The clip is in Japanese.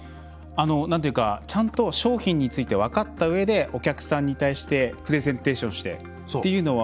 ちゃんと商品について分かったうえでお客さんに対してプレゼンテーションしてというのは。